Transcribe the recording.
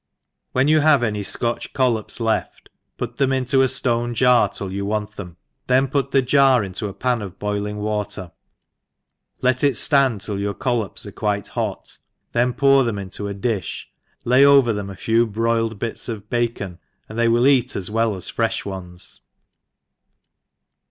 WHEN you have any Scotch coUops left, put them into a ftone jar till you want them, then put the jar into a pail of boiling water, let it fland till your coUops are quite hot, then pour them into a di(h, lay over them a few broiled bits of bacon, and they will eat as well as freih ones.